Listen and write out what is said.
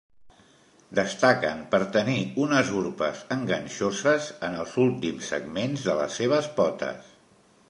Destaquen per tenir unes urpes enganxoses en els últims segments de les seves potes.